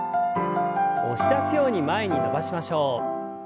押し出すように前に伸ばしましょう。